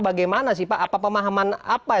bagaimana sih pak apa pemahaman apa